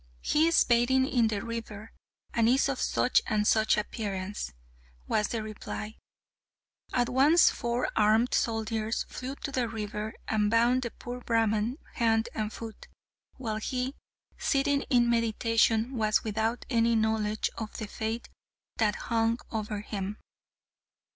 "He is bathing in the river, and is of such and such appearance," was the reply. At once four armed soldiers flew to the river, and bound the poor Brahman hand and foot, while he, sitting in meditation, was without any knowledge of the fate that hung over him.